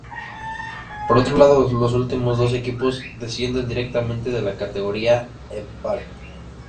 Por otro lado, los últimos dos equipos descienden directamente a la Kategoria e Parë.